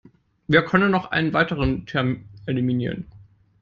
Wir können noch einen weiteren Term eliminieren.